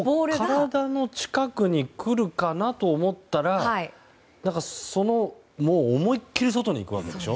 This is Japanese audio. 体の近くに来るかなと思ったら思いっきり外に行くわけでしょ。